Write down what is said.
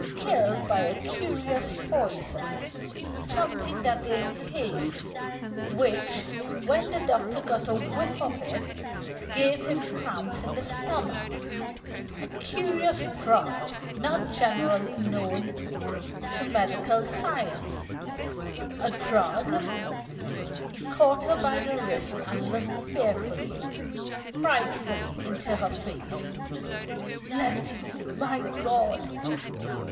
Killed by a curious poison, something that they inhaled, which, when the doctor got a whiff of it, gave him cramps in the stomach a curious drug not generally known to medical science, a drug " He caught her by the wrist and looked fearfully, frightfully, into her face. "Letty! My God!"